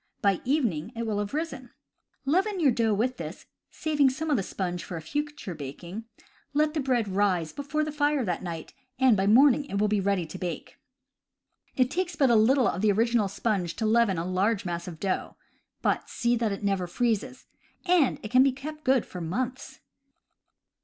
By evening it will have risen. Leaven your dough with this (saving some of the sponge for a future baking), let the bread rise before the fire that night, and by morning it will be ready to bake. It takes but little of the original sponge to leaven a large mass of dough (but see that it never freezes), and it can be kept good for months.